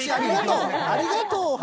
ありがとう、お花。